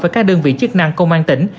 với các đơn vị chức năng công an tỉnh